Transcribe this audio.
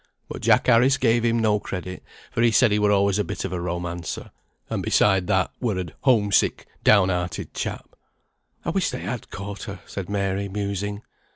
But Jack Harris gave him no credit, for he said he were always a bit of a romancer, and beside that, were a home sick, down hearted chap." "I wish they had caught her," said Mary, musing.